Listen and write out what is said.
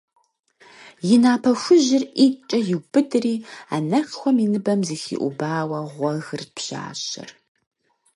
И напэ хужьыр ӀитӀкӀэ иубыдри, анэшхуэм и ныбэм зыхиӀубауэ гъуэгырт пщащэр.